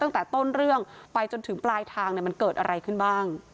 ตั้งแต่ต้นเรื่องไปจนถึงปลายทางมันเกิดอะไรขึ้นบ้าง